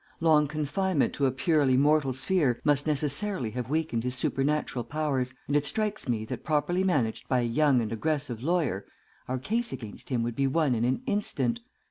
Long confinement to a purely mortal sphere must necessarily have weakened his supernatural powers, and it strikes me that properly managed by a young and aggressive lawyer, our case against him would be won in an instant.